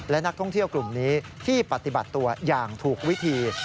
และนักท่องเที่ยวกลุ่มนี้ที่ปฏิบัติตัวอย่างถูกวิธี